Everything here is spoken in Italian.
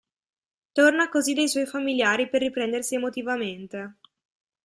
Torna così dai suoi familiari per riprendersi emotivamente.